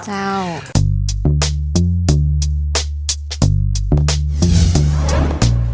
เจ้า